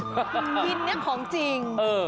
กลองกระดิษฐ์นี่ของจริง